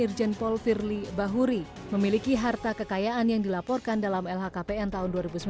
irjen paul firly bahuri memiliki harta kekayaan yang dilaporkan dalam lhkpn tahun dua ribu sembilan belas